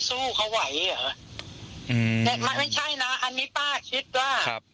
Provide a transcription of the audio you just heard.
ดูข่าวทุกวันดูว่ายูอะไรที่ว่ายิงกันหายโดนไหปลา